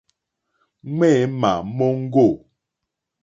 Ŋměmà móŋɡô.